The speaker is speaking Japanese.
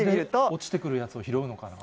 落ちてくるやつを拾うのかな。